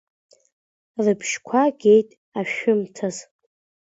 Рыбжьқәа геит ашәымҭаз.